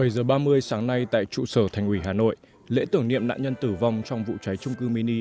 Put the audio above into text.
bảy giờ ba mươi sáng nay tại trụ sở thành quỷ hà nội lễ tưởng niệm nạn nhân tử vong trong vụ cháy trung cư mini